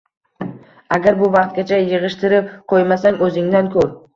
Agar bu vaqtgacha yig‘ishtirib qo‘ymasang o'zingdan ko'r.